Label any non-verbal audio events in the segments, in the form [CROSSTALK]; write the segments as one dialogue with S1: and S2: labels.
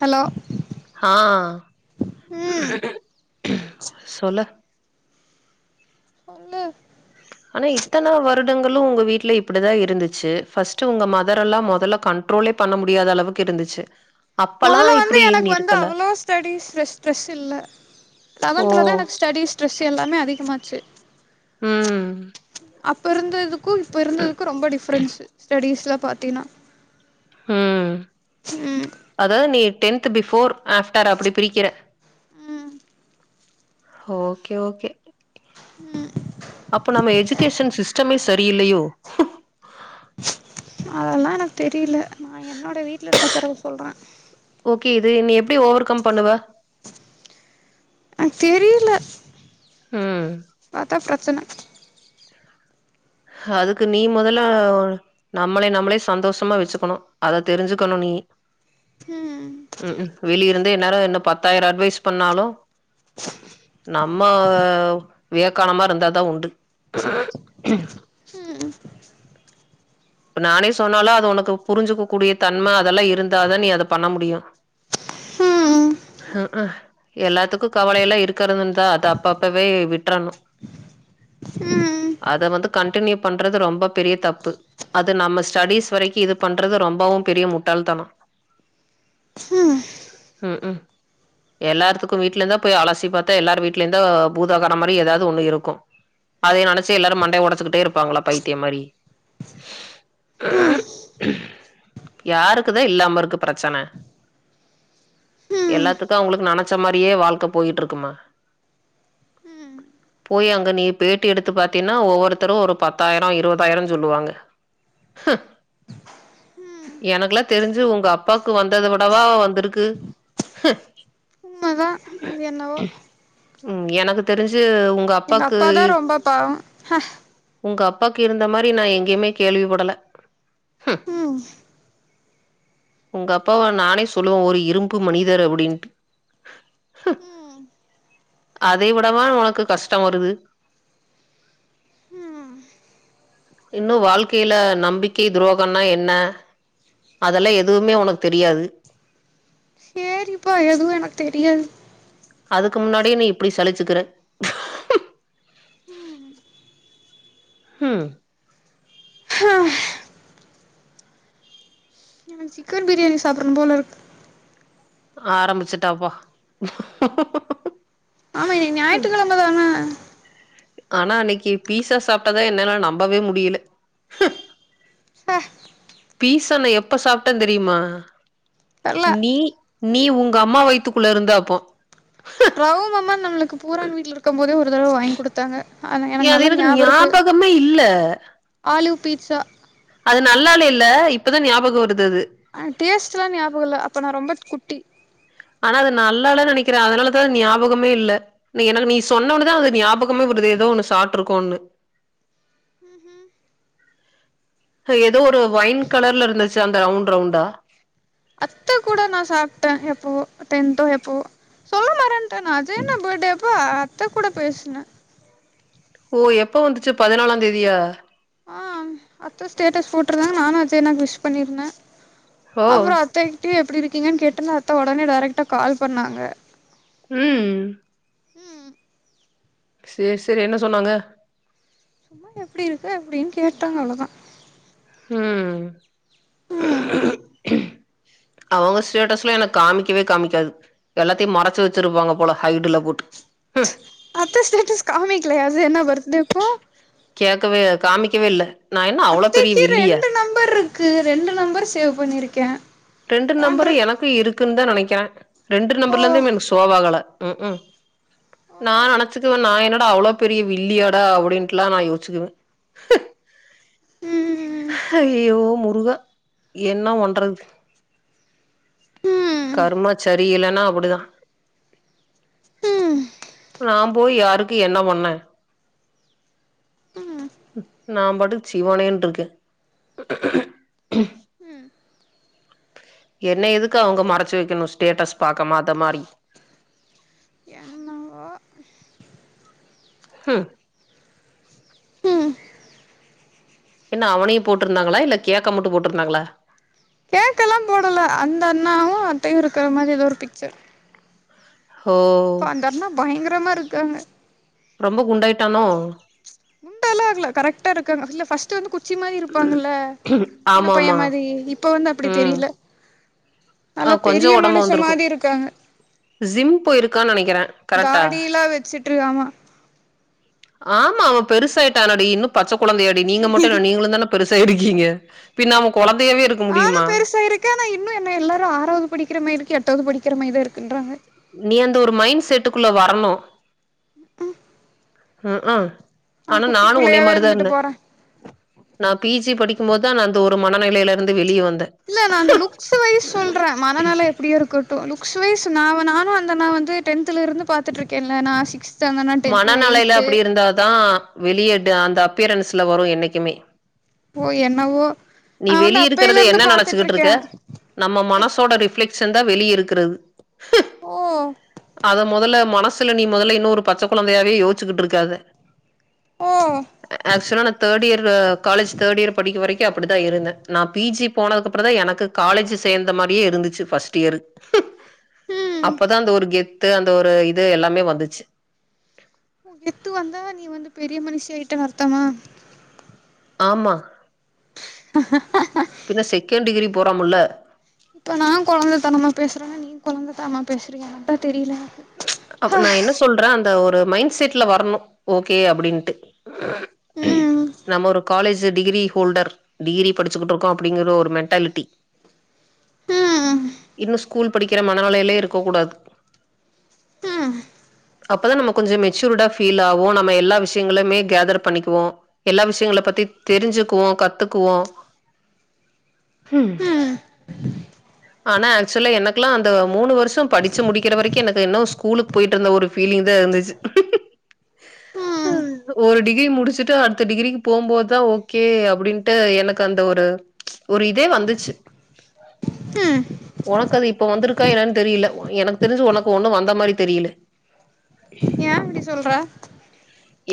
S1: Hello
S2: ஆ
S1: ம்
S2: சொல்லு
S1: உங்க
S2: ஆனா இத்தன வருடங்களு உங்க வீட்ல இப்பிடிதா இருந்துச்சு ஃபஸ்ட் உங்க மதரெல்லா மொதல்ல கண்ட்ரோலே பண்ண முடியாத அளவுக்கு இருந்துச்சு அப்பல்லா
S1: மொதல வந்து
S2: இப்டி நீ
S1: எனக்கு வந்து
S2: இருக்கல
S1: அவ்வளோ ஸ்டடீஸ்ல ஸ்ட்ரெஸ் இல்ல
S2: ஓ
S1: லெவன்த்துல தா எனக் ஸ்டடீஸ் ஸ்ட்ரெஸ் எல்லாமே அதிகமாச்சு
S2: ம்
S1: அப்பருந்தது க்கு இப்ப இருந்ததுக்கு ரொம்ப டிஃப்ரன்ஸு ஸ்டடீஸ்ல பாத்தினா
S2: ஹும் அதாவ்து நீ டென்த்து பிஃபோர் ஆஃப்டர் அப்டி பிரிக்கிற
S1: ம்
S2: ஓகே ஓகே அப்ப நம்ம எஜுகேஷன் சிஸ்டமே சரியில்லயோ
S1: அதெல்லா எனக் தெரில நா என்னோட வீட்ல நடக்குறத சொல்றே
S2: ஓகே இது நீ எப்டி ஓவர் கம் பண்ணுவ?
S1: அ தெரியில
S2: ம்
S1: இப்ப அதா பரச்சன
S2: அதுக்கு நீ மொதல நம்மளே நம்மளே சந்தோஷமா வச்சுக்கனு அத தெரிஞ்சுக்கனு நீயி
S1: ம்
S2: ம் ம் வெளியருந் து இந்நேர இன்னு பத்தாயிர அட்வைஸ் பண்ணாலு நம்ம வியக்கானமா இருந்தாதா உண்டு
S1: ம்
S2: நானே சொன்னாலு அத ஒனக்கு புரிஞ்சுக்க கூடிய தன்ம அதெல்லா இருந்தாதா நீ அத பண்ண முடியு
S1: ம் ம்
S2: எல்லாத்துக்கு கவல எல்லா இருக்கறது தா அத அப்ப அப்பவே விட்றனு
S1: ம்
S2: அத வந்து கண்டின்யூ பண்றது ரொம்ப பெரிய தப்பு அது நம்ம ஸ்டடீஸ் வரைக்கு இது பண்றது ரொம்பவு பெரிய முட்டாள தனொ ம் ம் எல்லார்த்துக்கு வீட்லதா போய் அலசி பாத்தா எல்லார் வீட்லய்ந்தா பூதாகாரம் மாதிரி எதாவ்து ஒன்னு இருக்கு அதை நெனச்சு எல்லாரு மண்டைய ஒடச்சுக்கிட்டே இருப்பாங்களா பைத்தியம் மாரி
S1: ம்
S2: யாருக்குதா இல்லாமருக்கு பிரச்சன எல்லாத்துக்கு
S1: ம்
S2: அவுங்களுக்கு நன ச்ச மாரியே வாழ்க்க போயிட்ருக்குமா போய் அங்க நீ பேட்டி எடுத்து பாாத்தீன்னா ஒவ்வொருத்தரு ஒரு பத்தாயிரொ இருவதாயிரொ சொல்லுவாங்க
S1: ம்
S2: எனக்குலா தெருஞ்சு உங்க அப்பாக்கு வந்தத விடவா வந்துருக்கு
S1: உண்ம தா அது என்னவோ
S2: ம் எனக்கு தெரிஞ்சு உங்க
S1: எங்க
S2: அப்பாக்கு
S1: அப்பாதா ரொம்ப பாவொ ஹ
S2: உங்க அப்பாக்கு இருந்த மாரி நா எங்கய்மே கேள்விப்படல
S1: ம்
S2: உங்க அப்பாவ நானே சொல்லுவ ஒரு இரும்பு மனிதர் அபுடின்ட்டு
S1: ம்
S2: அதை விடவா ஒனக்கு கஷ்ட வருது
S1: ம்
S2: இன்னு வாழ்க்கைல நம்பிக்கை துரோகொன்னா என்ன அதெல்லா எதுவுமே ஒனக்கு தெரியாது
S1: சேரிப்பா எதுவு எனக் தெரியாது
S2: அதுக்கு முன்னாடியே நீ இப்பிடி சலிச்சுக்கிற ஹும்
S1: ஹ எனக்கு சிக்கன் பிரியாணி சாப்பிர்னும் போல இருக்கு
S2: ஆரம்பிச்சுட்டாப்பா
S1: ஆமா இன்னை ஞாயிற்றுக்கெழமதான
S2: ஆனா அன்னக்கி பீசா சாப்ட்டதுதா என்னால நம்பவே முடியல
S1: ஹ
S2: பீசா நா எப்ப சாப்ட்டே தெரியுமா?
S1: தெர்ல
S2: நீ நீ உங்க அம்மா வயித்துக்குள்ள இருந்தப்போ
S1: ரகு மாமா நம்மளுக்கு பூரான் வீட்ல இருக்கும் போதே ஒரு தடவ வாங்கி குடுத்தாங்க. ஆனா
S2: ஏன்
S1: எனக்கு
S2: அது
S1: நல்லா ஞாபகோ இருக்கு
S2: ஞாபகமே இல்ல.
S1: ஆலிவ் பீட்சா
S2: அது நல்லா இல்லயல்ல இப்பதா ஞாபகோ வருது அது
S1: ஆ டேஸ்ட்லா ஞாபகோ இல்ல அப்ப நா ரொம்ப குட்டி
S2: ஆனா அது நல்லா இல்லன்னு நெனைக்கிறே. அதனாலதா ஞாபகமே இல்ல. நீ எனக்கு நீ சொன்ன உட்னதா அது ஞாபகமே வருது ஏதோ ஒண்ணு சாப்ட்ருக்கோம்னு
S1: ம் ஹும்
S2: ஹ ஏதோ ஒரு வைன் கலர்ல இருந்துச்சு அந்த ரவுண்ட் ரவுண்டா.
S1: அத்த கூட நா சாப்ட்டே எப்பவோ அ டென்த்தோ எப்பவோ சொல்ல மறந் துட்டே நா அஜய் அண்ண பர்த்டே அப் ப அத்த கூட பேசுனே
S2: ஓ எப்ப வந்துச்சு பதனாலாந் தேதியா?
S1: ஆ அத்த ஸ்டேட்டஸ் போட்டுருந்தாங்க நானு அஜய் அண்ணாக்கு விஷ் பண்ணிருந்தே
S2: ஓ!
S1: அப்புற அத்தகிட்டயு எப்பிடி இருக் கீங்கன்னு கேட்டனா அத்த ஒடனே டைரெக்டா கால் பண்ணாங்க.
S2: ம்
S1: ம்
S2: சேரி சேரி என்ன சொன்னாங்க
S1: சும்மா எப்பிடி இருக்க அப்டின்னு கேட்டாங்க அவ்ளவுதா.
S2: ம் [UNINTELLIGIBLE] அவங்க ஸ்டேட்டஸ்லா எனக்கு காமிக்கவே காமிக்காது. எல்லாத்தையு மறச்சு வச்சிருப்பாங்க போல ஹைடுல போட்டு. ம்
S1: அத்த ஸ்டேட்டஸ் காமிக்கலயா? அது என்னா வர்து இப்போ?
S2: கேக்கவே காமிக்கவே இல்ல நா என்ன அவ்ளோ பெரிய
S1: அத்தைக்கி
S2: வில்லியா
S1: ரெண்டு நம்பர் இருக்கு ரெண்டு நம்பர் சேவ் பண்ணிரு க்கே
S2: ரெண்டு நம்பரு எனக்கு இரு க்குந்தா நெனைக்கிறே. ரெண்டு
S1: ஓ
S2: நம்பர்லருந்துமே எனக்கு ஷோவாகால ம் ம் நா
S1: ஓ
S2: நெனைச்சுக்குவே நா என்னடா அவ்ளோ பெரிய வில்லியாடா அப்டின்ட்டெல்லா நா யோசிக்குவே.
S1: ம்
S2: ஹையயோ மு ருகா என்ன பண்றது
S1: ம்
S2: கருமா சரியில்லன்னா அப்டிதா
S1: ம்
S2: ராம் போய் யாருக்கு என்ன பண்ண
S1: ம்
S2: நாம் பாட்டுக் சிவனேன் இருக்கு
S1: ம்
S2: என்ன எதுக்கு அவங்க மறச்சு வெக்கணு ஸ்டேட்டஸ் பாக்காத மாரி
S1: என்னவோ [UNINTELLIGIBLE]
S2: ம்
S1: ம்
S2: என்ன அவனையு போட்டுருந்தாங்களா இல்ல கேக்க மட்டு போட்டுருந்தாங்களா
S1: கேக்கல்லா போடல அந்த அண்ணாவு அத்தையு இருக்கற மாரி எதோ ஒரு பிக்சர்
S2: ஓ
S1: இப்ப அந்த அண்ணா பயங்கற மா இருக்காங்க
S2: ரொம்ப குண்டாயிட்டானோ
S1: குண்டாலா ஆகல கரெக்டா இருக்காங்க இல்ல ஃபஸ்ட்டு வந்து கு குச்சி மாரி இருப்பாங்கள்ல சின்ன
S2: ஆமா
S1: பைய
S2: ஆமா
S1: மாதிரி இப் இப்ப வந்து அப்டி
S2: ம்
S1: தெரியல
S2: ஆ
S1: நல்லா
S2: கொஞ்சோ
S1: பெரிய
S2: ஒடம்பு
S1: மனுஷ
S2: வந்துருக்கு
S1: மாரி
S2: ஜிம் போயிருக்கான் நெனைக்
S1: தாடியில்லா வெச்சுட்டு இருக்காமா
S2: ஆமா அவ பெருசாயிட்டானடி இன்னு பச்ச கொழந்தையாடி நீங்க மட்டு என்ன நீங்களுந்தான பெருசா இருக்கீங்க பின்ன அவுங்கு
S1: நானு பெருசா இருக்க ஆனா இன்னு என்ன எல்லாரு ஆ ஆறாவது படிக்கிற மாரி இருக்கியா எட்டாவது படிக்கிற மைதா இருக்குன்றாங்க
S2: நீ அந்த ஒரு மைன் செட்டுக்குள்ள வரணு ம்க்ம்
S1: நா
S2: ஆனா
S1: குட்டி
S2: நானு உன்னைய
S1: புள்ளையாவே
S2: மாரிதா
S1: இருந்துட்டு
S2: இருந்த
S1: போறே
S2: நா பி ஜி படிக்கும் போது தா நா அந்த ஒரு மனநெலையிலிருந்து வெளிய வந்
S1: இல்ல நா அந்த லுக்ஸ் வைய்ஸ் சொல்ற மனநெல எப்டியோ இருக்கட் டு லுக்ஸ் வைய்ஸ் நா வ நானு அந்த அண்ணா வந்து டென்த்துல இருந்து பாத்துட்ருக்கேல நா சிக்ஸ்த் அந்தனா டென்த்
S2: மனநெலையில
S1: எய்த்து
S2: அப்டி இருந்தாதா வெளி எடு அந்த அப்பியரன்ஸ்ல வரும் என்னைக்குமே
S1: ஓ என்னவோ
S2: நீ
S1: நா வந்து
S2: வெளிய இருக்கிறத
S1: அப்பையில இருந்து
S2: என்ன நினச்சுக்கிட்டு
S1: பாத்துட்ருக்கே
S2: இருக்க நம்ம மனசோட ரிஃப்ளக்க்ஷ் செந்தா வெளிய இருக்கிறது
S1: ஓ
S2: அத முதல்ல மனசுல நீ முதல்ல இன்னொரு பச்சை குழந்தையாவே யோச்சுக்கிட்டு இருக்காத
S1: ஓ
S2: ஆக்சுலா நான் third year college third year படிக்கிற வரைக்கும் எனக்கே அப்படித்தான் இருந்தேன் நான் பிஜி போனதுக்கு அப்புறம் தான் எனக்கு காலேஜ் சேர்ந்த மாதிரியே இருந்துச்சு பர்ஸ்ட் இயரு
S1: ம்
S2: அப்பதான் அந்த ஒரு கெத் து அந்த ஒரு இது எல்லாமே வந்துச்சு
S1: உ கெத்து வந்தா நீ வந்து பெரிய மனுஷியாகிட்ட அர்த்தமா
S2: ஆமா
S1: ஆஹ
S2: பின்ன செகண்ட் டிகிரி போறாம்ல்ல
S1: இப்ப நான் குழந்தைத்தனமா பேசுறேனா இல்ல நீ குழந்தைத்தனமா பேசுறீங்க எனதான் தெரியல எனக்கு
S2: அப்ப
S1: ஹ
S2: நான் என்ன சொல்றேன் அ இந்த ஒரு மைண்ட் செட்ல வரணும் ஓகே அப்படின்ட்டு
S1: ம்
S2: நம்ம ஒரு காலேஜ் டிகிரி ஹோல்டர் டிகிரி படிச்சிட்டு இருக்கோம் அப்படிங்கிற ஒரு மென்டாலிட்டி
S1: ம்
S2: இன்னும் ஸ்கூல் படிக்கிற மனநிலையில இருக்க கூடாது
S1: ம்
S2: அப்பதான் நம்ம கொஞ்சம் மெச்சூர்டா ஃபீல் ஆகோம் நம்ம எல்லா விஷயங்கமே கேதர் பண்ணிக்குவோம் எல்லா விஷயங்கள பத்தி தெரிஞ்சுக்குவோம் கத்துக்குவோம் உஹம்
S1: ம்
S2: ஆனா ஆக்சுவலா எனக்கெல்லாம் அந்த மூணு வருஷம் படிச்சு முடிக்கிற வரைக்கும் எனக்கு இன்னும் ஸ்கூலுக்கு போயிட்டு இருந்த ஒரு பீலிங் தான் இருந்துச்சு
S1: ம்
S2: ஒரு டிகிரி முடிச்சுட்டு அடுத்த டிகிரிக்கு போகும்போதுதான் ஓகே அப்படின்ட்டு எனக்கு அந்த ஒரு ஒரு இதே வந்துச்சு
S1: ஆஹ
S2: உனக்கு அது இப்ப வந்துருக்கு கா என்னன்னு தெரியல எனக்கு தெரிஞ்சு உனக்கு ஒண்ணும் வந்த மாதிரி தெரியல
S1: ஏன் அப்படி சொல்ற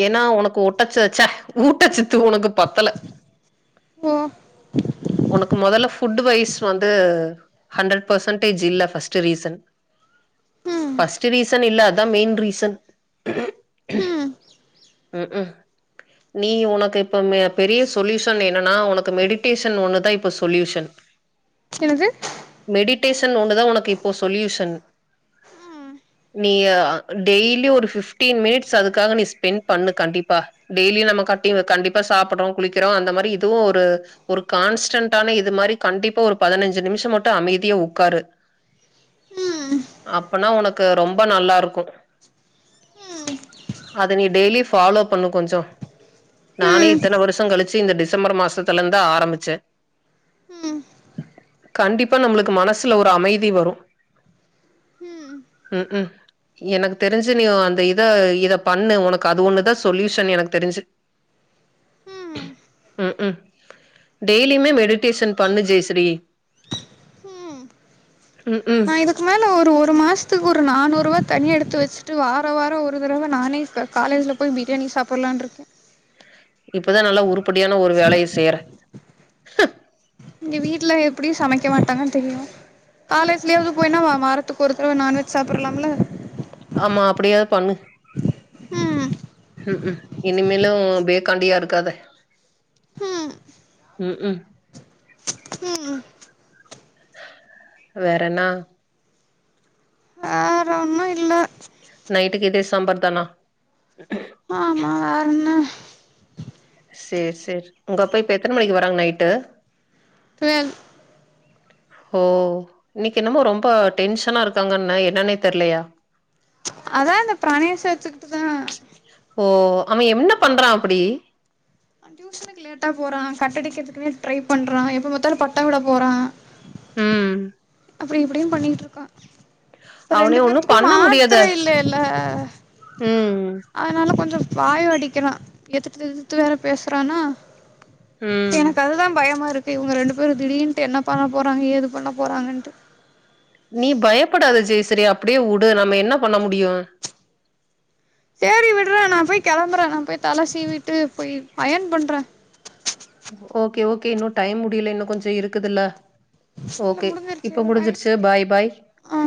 S2: ஏன்னா உனக்கு ஊட்டச்ச ச்சா ஊட்டச்சத்து உனக்கு பத்தல
S1: உம்
S2: உனக்கு முதல்ல புட் வைஸ் வந்து ஹண்ட்ரட் பர்சன்டேஜ் இல்ல பர்ஸ்ட் ரீசன்
S1: ம்
S2: பர்ஸ்ட் ரீசன் இல்லதான் மெயின் ரீசன்
S1: ம்
S2: உம் உம் நீ உனக்கு இப்ப பெரிய சொல்யூஷன் என்னன்னா உனக்கு மெடிடேஷன் ஒண்ணுதான் இப்ப சொல்யூஷன்
S1: என்னது
S2: மெடிடேஷன் ஒண்னு தான் உனக்கு இப்போ சொல்யூஷன்
S1: ம்
S2: நீ டெய்லி ஒரு பிப்டீன் மினிட்ஸ் அதுக்காக நீ ஸ்பென் பண்ணு கண்டிப்பா டெய்லி நம்ம கட் கண்டிப்பா சாப்பிடுறோம் குளிக்கிறோம் அந்த மாதிரி இதுவும் ஒரு ஒரு கான்ஸ்டண்டடான இது மாதிரி கண்டிப்பா ஒரு பதினஞ்சு நிமிஷம் மட்டும் அமைதியா உட்காரு
S1: ம் ம்
S2: அப்பனா உனக்கு ரொம்ப நல்லா இருக்கும் அத நீ டெய்லி ஃபாலோ பண்ணும் கொஞ்சம் நானே
S1: ம்
S2: இத்தனை வருஷம் கழிச்சு இந்த டிசம்பர் மாசத்துல இருந்தான் ஆரம்பிச்சேன் கண்டிப்பா நம்மளுக்கு மனசுல ஒரு அமைதி வரும்
S1: ம்
S2: உம் உம் எனக்கு தெரிஞ்சு நீ அந்த இத இத பண்ணு உனக்கு அது ஒண்ணுதான் சொல்யூஷன் எனக்கு தெரிஞ்சு
S1: ம்
S2: டெய்லியும மெடிேஷன் பண்ணு ஜெயஸ்ரீ
S1: ம்
S2: ம் ம்
S1: நா இதுக்கு மேல ஒரு ஒரு மாசத்துக்கு ஒரு ஒரு நானூரூவா தனியா எடுத்து வெச்சுட்டு வாரோ வாரோ ஒரு தடவ நானே காலேஜ்ல போய் பிரியாணி சாப்புல்லான் இருக்க
S2: இப்பதா நல்லா உரு படியான ஒரு வேலைய செய்யற
S1: இங்க வீட்ல எப்டியு சமைக்க மாட்டாங்கன் தெரியு காலேஜ்லயாவது போய் என்னவா வாரத் த்துக் ஒரு தடவ நான்வெஜ் சாப்டுருலாம்ல
S2: ஆமா அப்டியாவது பண்ணு
S1: ம்
S2: ம்க்ம் இனிமேலு பேக்காண்டியா இருக்காத
S1: ம்
S2: ம்க்ம்
S1: ம்
S2: வேற என்னா
S1: வேற ஒன்னு இல்ல
S2: நைட்டுக்கு இதே சாம்பார்தானா
S1: ஆமா வேற என்ன
S2: சேர் சேர் உங்க அப்பா இப்ப எத்தன மணிக்கு வராங் நைட்டு
S1: டுவெல்
S2: ஹோ இன்னைக்கு என்னமோ ரொம்ப டென்ஷனா இருக்காங்கன்ன என்னன்னே தெர்லையா
S1: அதா இந்த பிராணயம் சேத்துக்கிட்டுதான
S2: ஓ அவ என்ன பண்றா அப்டி
S1: டியூஷனுக்கு லேட்டா போறா கட்டடிக்கிறதுக்குமே ட்ரை பண்றா எப்ப பத்தாலு பட்டோ விட போறா
S2: ம்
S1: அப்டி இப்டின் பண்ணிட்ருக்கா
S2: அவனே
S1: ரெண்டு
S2: ஒண்ணு
S1: பேருத்துக்கு‌
S2: பண்ண முடியாத
S1: மாத்திரை இல்லைல்ல
S2: ம்
S1: அதனால கொஞ்சோ பாயோட் படிக்கலா எதுத்து எதுத்து வேற பேசுறானா
S2: ம்
S1: எனக்கு அதுதா பயமா இருக் கு இவங்க ரெண்டு பேரு திடீர்ன்ட்டு என்ன பண்ண போறாங்க ஏது பண்ண போறாங்கன் ட்டு
S2: நீ பயப்படாத ஜெஸ் சேரி அப்டியே உடு நம்ம என்ன பண்ண முடியு
S1: சேரி விடுடா நா போய் கெளம்புற நா போய் தல சீவிட்டு போய் பையன் பண்ற
S2: ஓகே ஓகே இன்னு டைம் முடில இன்னு கொஞ்சோ இருக்குதுல்ல
S1: இல்ல
S2: ஓகே
S1: முடுஞ்சுருச்சு
S2: இப்ப
S1: பாய்
S2: முடிஞ்சிருச்சு பாய் பாய்
S1: ஆ